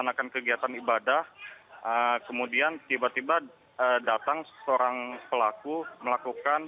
menjelaskan kegiatan ibadah kemudian tiba tiba datang seorang pelaku